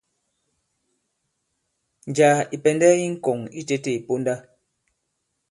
Njàā ì pɛ̀ndɛ i ŋkɔ̀ŋ itētē ì ponda.